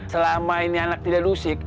selama ini anak tidak lusik